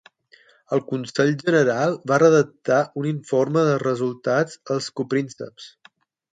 El Consell General va redactar un informe dels resultats als coprínceps.